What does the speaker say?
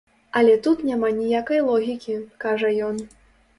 Але тут няма ніякай логікі, —кажа ён.